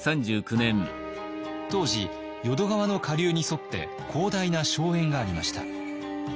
当時淀川の下流に沿って広大な荘園がありました。